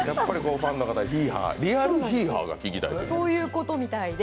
ファンの方、やっぱりリアルヒーハーが聞きたいということで。